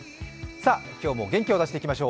今日も元気を出していきましょう。